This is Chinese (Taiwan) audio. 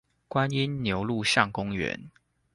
觀音牛路巷公園